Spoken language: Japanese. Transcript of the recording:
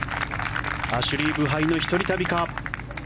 アシュリー・ブハイの一人旅か。